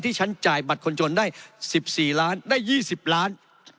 ฉันจ่ายบัตรคนจนได้๑๔ล้านได้๒๐ล้าน